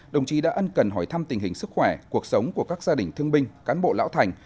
đồng chí đã ân cần hỏi thăm tình hình sức khỏe cuộc sống của các gia đình thương binh cán bộ lão thành